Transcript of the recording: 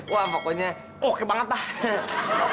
wah pokoknya oke banget tah